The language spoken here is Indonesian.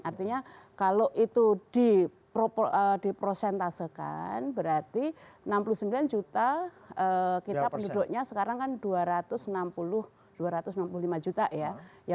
artinya kalau itu diprosentasekan berarti enam puluh sembilan juta kita penduduknya sekarang kan dua ratus enam puluh dua ratus enam puluh lima juta ya